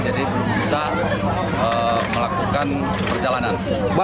jadi belum bisa melakukan perjalanan